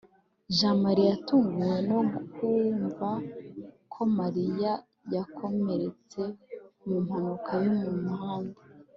jamali yatunguwe no kumva ko mariya yakomerekeye mu mpanuka yo mu muhanda